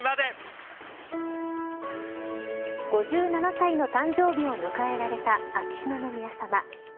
５７歳の誕生日を迎えられた秋篠宮さま。